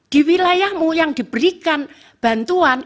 di wilayahmu yang diberikan bantuan